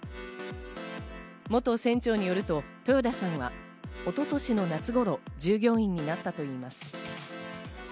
元船長によると豊田さんは一昨年の夏ごろ、従業員になったといいます。